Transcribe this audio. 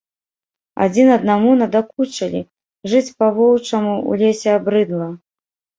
Адзін аднаму надакучылі, жыць па-воўчаму ў лесе абрыдла.